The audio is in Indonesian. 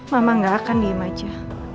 mama gak akan diem aja